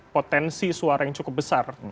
potensi suara yang cukup besar